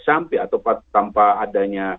sampai atau tanpa adanya